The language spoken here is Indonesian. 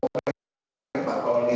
ya kebanjir namanya sosial ya kita jadi